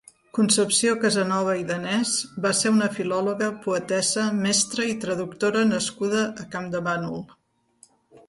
Concepció Casanova i Danés va ser una filòloga, poetessa, mestra i traductora nascuda a Campdevànol.